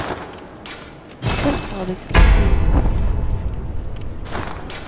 Xuṣṣeɣ deg tlatinit.